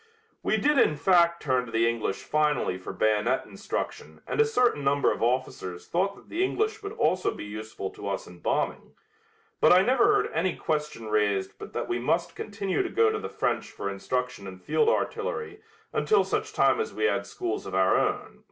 We did in fact turn to the English finally for bayonet instruction and a certain number of officers thought that the English would also be useful to us in bombing, but I never heard any question raised but that we must continue to go to the French for instruction in field artillery until such time as we had schools of our own.